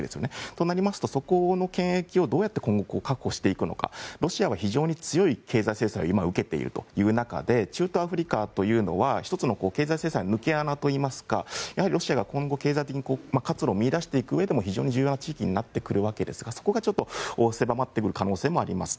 そうなりますと、そこの権益をどうやって今後確保していくのかロシアは非常に経済制裁を今、受けているという中で中東アフリカというのは１つの経済制裁の抜け穴といいますかロシアが今後、経済的に活路を見いだしていくうえでも非常に重要な地域になっていくわけですがそこが狭まってくる可能性もあります。